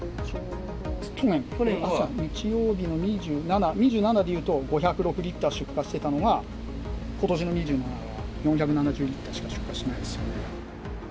去年は日曜日の２７、２７でいうと５０６リッター出荷してたのが、ことしの２７は４７０リッターしか出荷してないですよね。